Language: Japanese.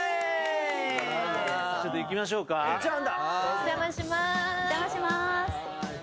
お邪魔します。